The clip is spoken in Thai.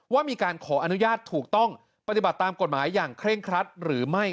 ว่ามีการขออนุญาตถูกต้องปฏิบัติตามกฎหมายอย่างเคร่งครัดหรือไม่